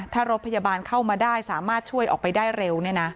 ถ้ารถพยาบาลเข้ามาได้สามารถช่วยออกไปได้เร็ว